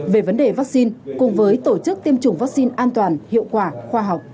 về vấn đề vaccine cùng với tổ chức tiêm chủng vaccine an toàn hiệu quả khoa học